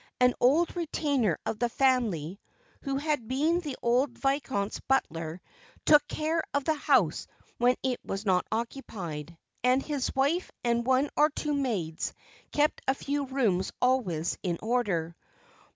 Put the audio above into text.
An old retainer of the family, who had been the old viscount's butler, took care of the house when it was not occupied, and his wife and one or two maids kept a few rooms always in order.